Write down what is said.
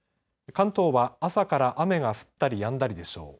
関東は朝から雨が降ったりやんだりでしょう。